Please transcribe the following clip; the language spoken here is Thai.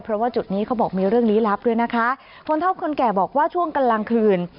เพราะว่าจุดนี้เขาบอกมีเรื่องลี้ลับด้วยนะคะคนเท่าคนแก่บอกว่าช่วงกลางคืน